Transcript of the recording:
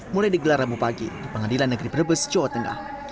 mulai digelar rabu pagi di pengadilan negeri brebes jawa tengah